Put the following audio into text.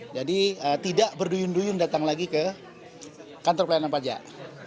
jadi tidak berduyun duyun datang lagi ke kantor pelayanan pajak